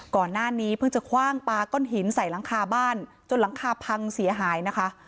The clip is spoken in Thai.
ก่อนหน้านี้เพิ่งจะคว่างปลาก้อนหินใส่หลังคาบ้านจนหลังคาพังเสียหายนะคะ